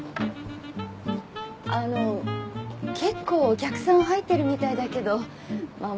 あの結構お客さん入ってるみたいだけど守